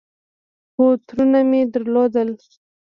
خو ترونه مې درلودل.